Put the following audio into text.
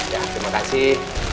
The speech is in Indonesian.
ya terima kasih